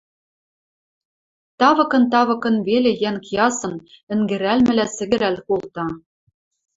Тавыкын-тавыкын веле йӓнг ясын, ӹнгӹрӓлмӹлӓ сӹгӹрӓл колта.